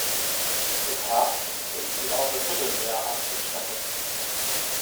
Im Herbst ist sie auch im Mittelmeer anzutreffen.